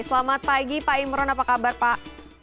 selamat pagi pak imron apa kabar pak